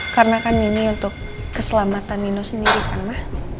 karena kan ini untuk keselamatan nino sendiri kan ma